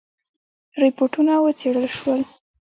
رپوټونه وڅېړل شول.